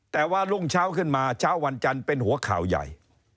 แต่ว่ารุ่งเช้าขึ้นมาเช้าวันจันทร์เป็นหัวข่าวใหญ่